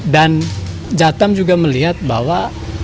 dan jatam juga melihat bahwa